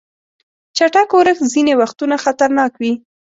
چټک اورښت ځینې وختونه خطرناک وي.